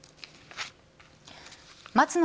松野